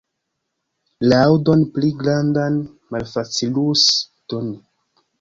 Laŭdon pli grandan malfacilus doni.